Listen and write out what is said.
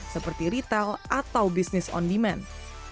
seperti retail atau business on demand